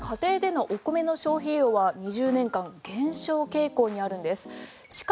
実は家庭でのお米の消費用は２０年間減少傾向にあるんです。